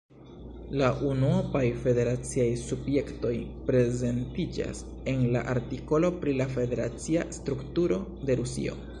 La unuopaj federaciaj subjektoj prezentiĝas en la artikolo pri la federacia strukturo de Rusio.